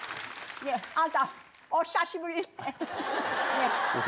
ああたお久しぶりね。